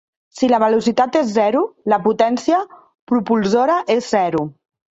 Si la velocitat és zero, la potència propulsora és zero.